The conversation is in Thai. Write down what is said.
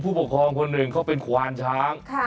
ผู้ปกครองคนหนึ่งเขาเป็นควานช้าง